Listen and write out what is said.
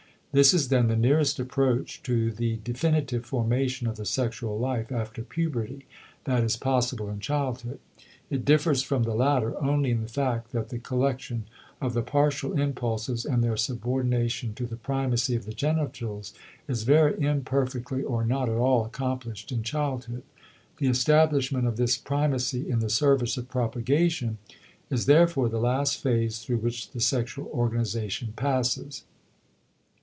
This is then the nearest approach to the definitive formation of the sexual life after puberty, that is possible in childhood. It differs from the latter only in the fact that the collection of the partial impulses and their subordination to the primacy of the genitals is very imperfectly or not at all accomplished in childhood. The establishment of this primacy in the service of propagation is therefore the last phase through which the sexual organization passes.